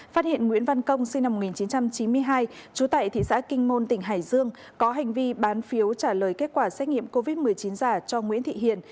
phát hiện nguyễn văn công sinh năm một nghìn chín trăm chín mươi hai trú tại thị xã kinh môn tỉnh hải dương có hành vi bán phiếu trả lời kết quả xét nghiệm covid một mươi chín giả cho nguyễn thị hiền